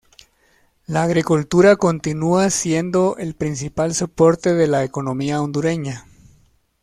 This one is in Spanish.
La agricultura continúa siendo el principal soporte de la economía hondureña.